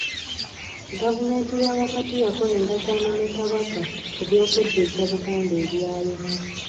Gavumenti ya wakati yakola endagaano ne Kabaka ku by'okuddiza Buganda ebyayo.